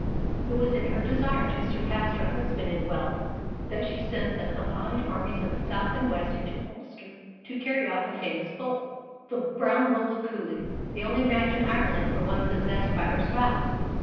It was in her desire to surpass her husband in wealth that she sent the combined armies of the south and west into Ulster to carry off a famous bull, the Brown Bull of Cooley, the only match in Ireland for one possessed by her spouse.